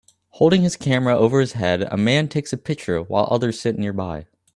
Holding his camera over his head a man takes a picture while others sit nearby